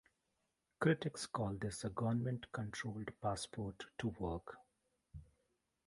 Critics call this a government-controlled passport to work.